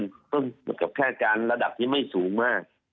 ซึ่งเหมือนกับค่าการระดับที่ไม่สูงมาก